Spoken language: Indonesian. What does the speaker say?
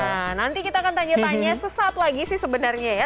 nah nanti kita akan tanya tanya sesaat lagi sih sebenarnya ya